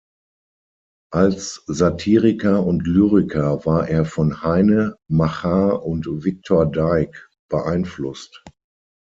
Als Satiriker und Lyriker war er von Heine, Machar und Viktor Dyk beeinflusst.